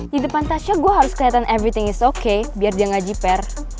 di depan tasya gue harus keliatan everything is okay biar dia gak jiper